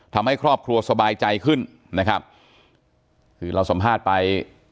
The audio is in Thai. ทำให้ครอบครัวสบายใจขึ้นนะครับคือเราสัมภาษณ์ไป